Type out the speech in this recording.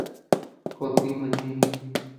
ڪوتي ٻڌين؟